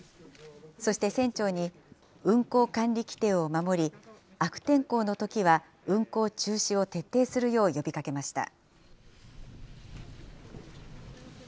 そして船長に、運航管理規定を守り、悪天候のときは、運航中止を徹底するよう呼びかけました。